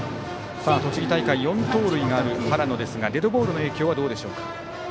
栃木大会４盗塁がある原野ですがデッドボールの影響はどうでしょうか。